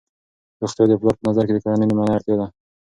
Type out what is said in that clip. روغتیا د پلار په نظر کې د کورنۍ لومړنۍ اړتیا ده.